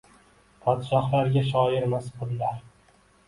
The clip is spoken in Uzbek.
Podshohlarga shoirmas, qullar –